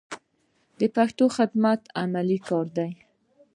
د پښتو خدمت عملي کار دی.